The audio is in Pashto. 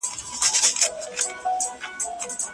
ما د کلي د ژوند په اړه یو نوی کتاب ولیکلو.